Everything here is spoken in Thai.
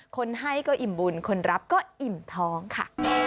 คนให้ก็อิ่มบุญคนรับก็อิ่มท้องค่ะ